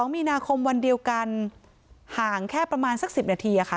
มีนาคมวันเดียวกันห่างแค่ประมาณสัก๑๐นาทีค่ะ